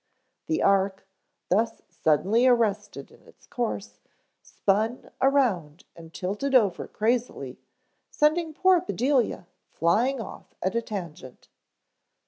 The ark, thus suddenly arrested in its course, spun around and tilted over crazily, sending poor Bedelia flying off at a tangent.